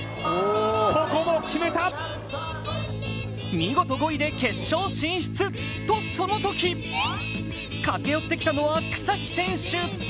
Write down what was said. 見事５位で決勝進出、と、そのとき駆け寄ってきたのは草木選手。